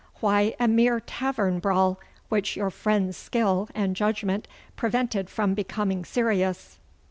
'Why, a mere tavern brawl, which your friend's skill and judgment prevented from becoming serious.